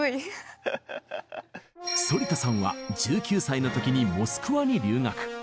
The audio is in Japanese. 反田さんは１９歳の時にモスクワに留学。